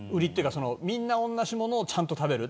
みんな同じものをちゃんと食べる。